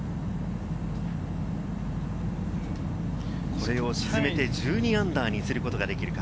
これを沈めて、−１２にすることができるか？